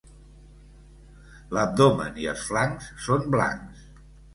L'abdomen i els flancs són blancs.